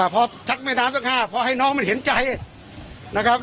พอชักแม่น้ำสัก๕พอให้น้องมันเห็นใจนะครับ